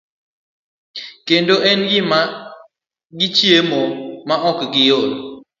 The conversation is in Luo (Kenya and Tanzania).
kendo ne gichiemo ma ok giol.